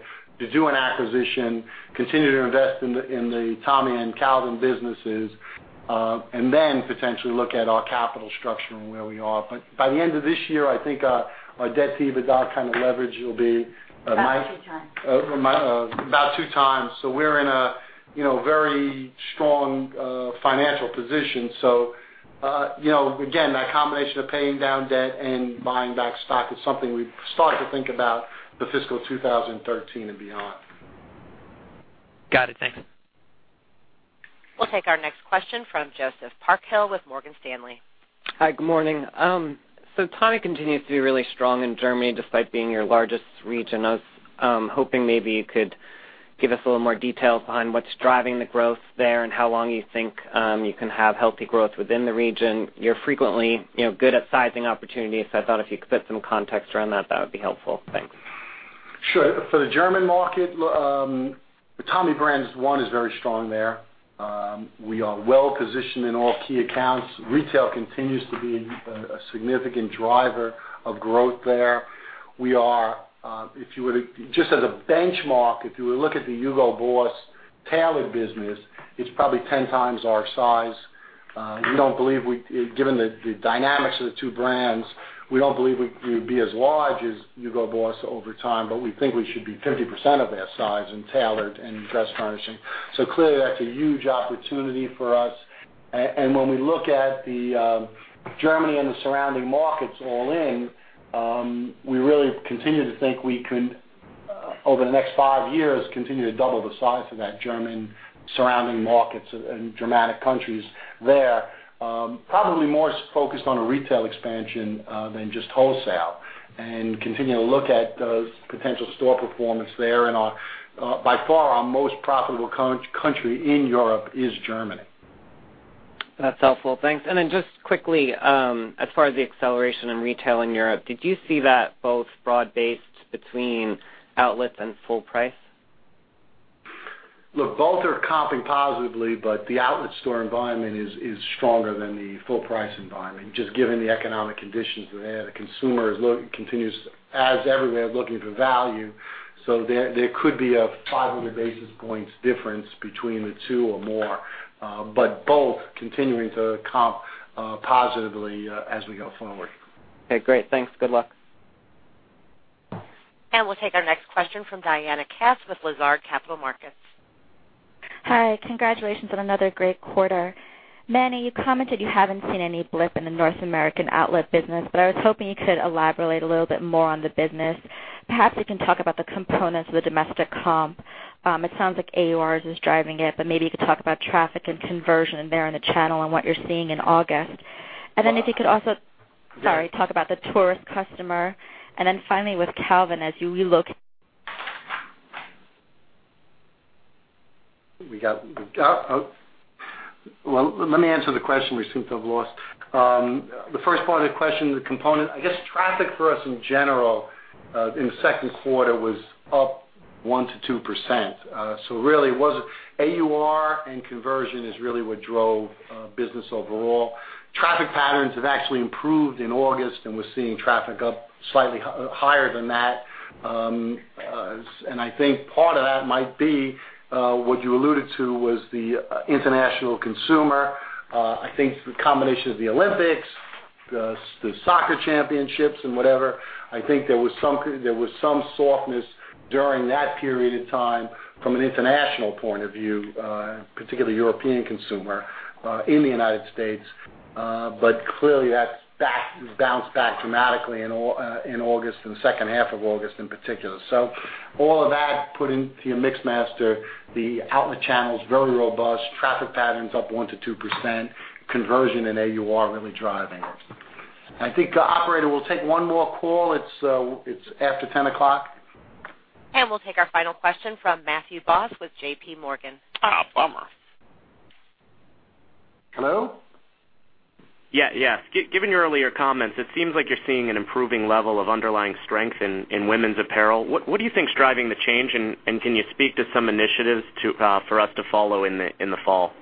B: do an acquisition, continue to invest in the Tommy and Calvin businesses, and then potentially look at our capital structure and where we are. By the end of this year, I think our debt to EBITDA kind of leverage will be-
C: About two times.
B: About two times. Again, that combination of paying down debt and buying back stock is something we start to think about for fiscal 2013 and beyond.
M: Got it. Thanks.
A: We'll take our next question from Joseph Parkhill with Morgan Stanley.
N: Hi, good morning. Tommy continues to be really strong in Germany, despite being your largest region. I was hoping maybe you could give us a little more detail behind what's driving the growth there and how long you think you can have healthy growth within the region. You're frequently good at sizing opportunities. I thought if you could put some context around that would be helpful. Thanks.
B: Sure. For the German market, the Tommy brand, one, is very strong there. We are well positioned in all key accounts. Retail continues to be a significant driver of growth there. We are, just as a benchmark, if you were to look at the Hugo Boss tailored business, it's probably 10 times our size. Given the dynamics of the two brands, we don't believe we would be as large as Hugo Boss over time, but we think we should be 50% of their size in tailored and dress furnishing. Clearly, that's a huge opportunity for us. When we look at the Germany and the surrounding markets all in, we really continue to think we could, over the next five years, continue to double the size of that German surrounding markets and Germanic countries there. Probably more focused on a retail expansion than just wholesale, continue to look at those potential store performance there. By far, our most profitable country in Europe is Germany.
N: That's helpful. Thanks. Just quickly, as far as the acceleration in retail in Europe, did you see that both broad-based between outlets and full price?
B: Look, both are comping positively, the outlet store environment is stronger than the full price environment, just given the economic conditions there. The consumer continues, as everywhere, looking for value. There could be a 500 basis points difference between the two or more. Both continuing to comp positively as we go forward.
N: Okay, great. Thanks. Good luck.
A: We'll take our next question from Diana Cass with Lazard Capital Markets.
O: Hi. Congratulations on another great quarter. Manny, you commented you haven't seen any blip in the North American outlet business. I was hoping you could elaborate a little bit more on the business. Perhaps you can talk about the components of the domestic comp. It sounds like AUR is driving it, but maybe you could talk about traffic and conversion there in the channel and what you're seeing in August. If you could also-
B: Yes.
O: Sorry. Talk about the tourist customer. Finally, with Calvin, as you relook
B: Well, let me answer the question. We seem to have lost the first part of the question, the component. I guess traffic for us in general, in the second quarter was up 1% to 2%. Really, it was AUR and conversion is really what drove business overall. Traffic patterns have actually improved in August. We're seeing traffic up slightly higher than that. I think part of that might be what you alluded to was the international consumer. I think the combination of the Olympics, the soccer championships, and whatever. I think there was some softness during that period of time from an international point of view, particularly European consumer in the United States. Clearly, that's bounced back dramatically in August, in the second half of August in particular. All of that put into your mix master, the outlet channel's very robust. Traffic pattern's up 1% to 2%. Conversion and AUR really driving it. I think, Operator, we'll take one more call. It's after 10 o'clock.
A: We'll take our final question from Matthew Boss with J.P. Morgan.
B: Bummer. Hello?
P: Yeah. Given your earlier comments, it seems like you're seeing an improving level of underlying strength in women's apparel. What do you think is driving the change, and can you speak to some initiatives for us to follow in the fall?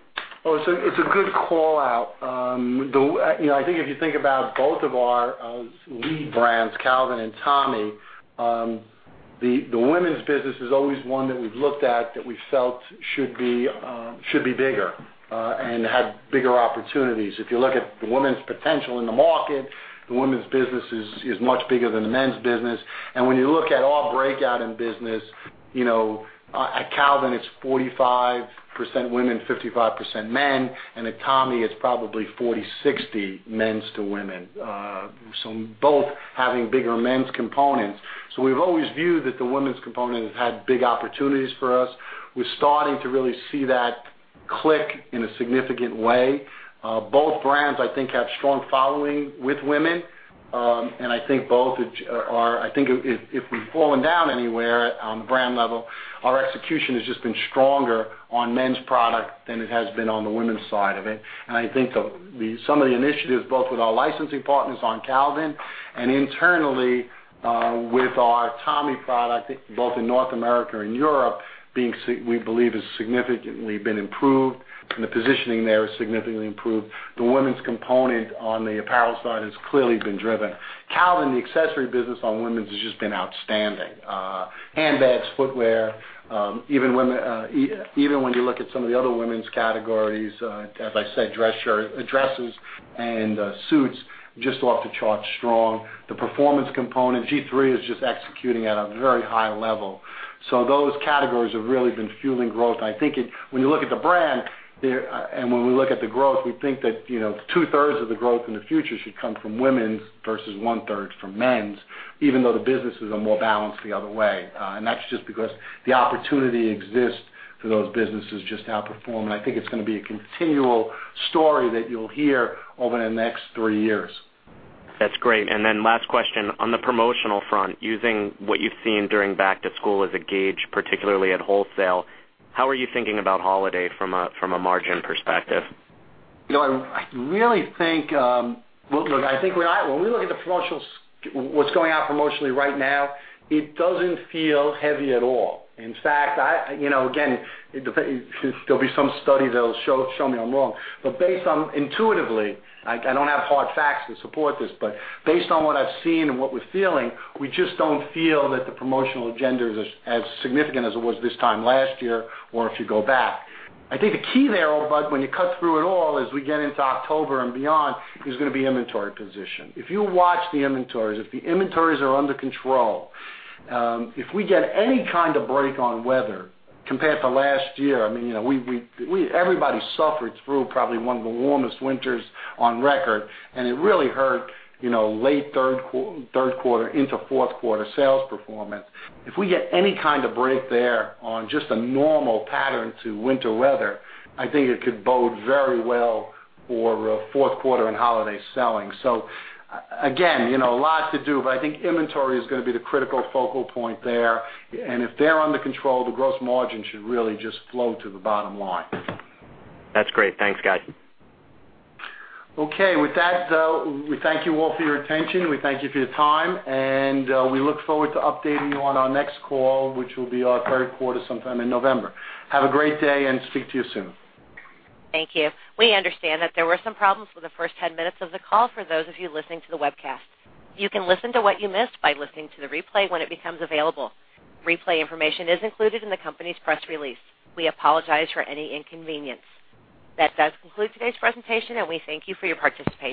B: It's a good call-out. I think if you think about both of our lead brands, Calvin and Tommy, the women's business is always one that we've looked at that we felt should be bigger and had bigger opportunities. When you look at the women's potential in the market, the women's business is much bigger than the men's business. When you look at our breakout in business, at Calvin, it's 45% women, 55% men. At Tommy, it's probably 40/60, men's to women. Both having bigger men's components. We've always viewed that the women's component has had big opportunities for us. We're starting to really see that click in a significant way. Both brands, I think, have strong following with women. I think if we've fallen down anywhere on the brand level, our execution has just been stronger on men's product than it has been on the women's side of it. I think some of the initiatives, both with our licensing partners on Calvin and internally with our Tommy product, both in North America and Europe, we believe has significantly been improved, and the positioning there has significantly improved. The women's component on the apparel side has clearly been driven. Calvin, the accessory business on women's has just been outstanding. Handbags, footwear. Even when you look at some of the other women's categories, as I said, dresses and suits, just off the charts strong. The performance component, G-III is just executing at a very high level. So those categories have really been fueling growth. I think when you look at the brand and when we look at the growth, we think that two-thirds of the growth in the future should come from women's versus one-third from men's, even though the businesses are more balanced the other way. That's just because the opportunity exists for those businesses just to outperform. I think it's going to be a continual story that you'll hear over the next three years.
P: That's great. Last question. On the promotional front, using what you've seen during back to school as a gauge, particularly at wholesale, how are you thinking about holiday from a margin perspective?
B: I think when we look at what's going on promotionally right now, it doesn't feel heavy at all. In fact, again, there'll be some study that'll show me I'm wrong. Based on intuitively, I don't have hard facts to support this, but based on what I've seen and what we're feeling, we just don't feel that the promotional agenda is as significant as it was this time last year, or if you go back. I think the key there, though, bud, when you cut through it all as we get into October and beyond, is going to be inventory position. If you watch the inventories, if the inventories are under control, if we get any kind of break on weather compared to last year. Everybody suffered through probably one of the warmest winters on record, and it really hurt late third quarter into fourth quarter sales performance. If we get any kind of break there on just a normal pattern to winter weather, I think it could bode very well for fourth quarter and holiday selling. Again, a lot to do, but I think inventory is going to be the critical focal point there. If they're under control, the gross margin should really just flow to the bottom line.
P: That's great. Thanks, guy.
B: With that, we thank you all for your attention. We thank you for your time, and we look forward to updating you on our next call, which will be our third quarter sometime in November. Have a great day and speak to you soon.
A: Thank you. We understand that there were some problems with the first 10 minutes of the call for those of you listening to the webcast. You can listen to what you missed by listening to the replay when it becomes available. Replay information is included in the company's press release. We apologize for any inconvenience. That does conclude today's presentation, and we thank you for your participation.